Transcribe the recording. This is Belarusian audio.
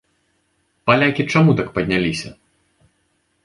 Палякі чаму так падняліся?